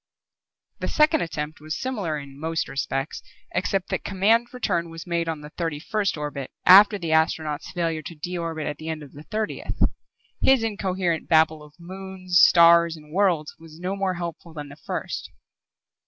The second attempt was similar in most respects, except that command return was made on the thirty first orbit after the astronaut's failure to de orbit at the end of the thirtieth. His incoherent babble of moons, stars, and worlds was no more helpful than the first.